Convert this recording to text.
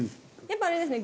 やっぱあれですね。